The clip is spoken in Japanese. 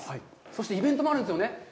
そして、イベントもあるんですよね？